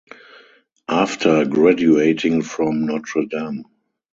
After graduating from Notre Dame.